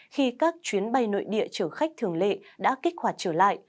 khi các chuyến bay nội địa chở khách thường lệ đã kích hoạt trở lại